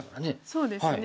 そうですね。